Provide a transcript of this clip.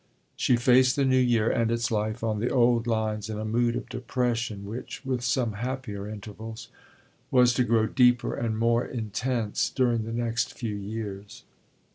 She faced the new year and its life on the old lines in a mood of depression which, with some happier intervals, was to grow deeper and more intense during the next few years.